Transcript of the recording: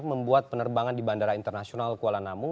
membuat penerbangan di bandara internasional kuala namu